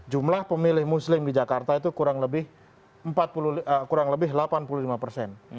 jumlah pemilih muslim di jakarta itu kurang lebih delapan puluh lima persen